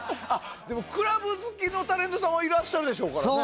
クラブ好きなタレントさんはいらっしゃるでしょうからね。